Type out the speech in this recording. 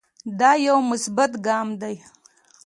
دا يو مثبت ګام دے